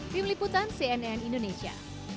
pemliputan cnn indonesia